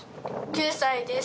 ９歳です。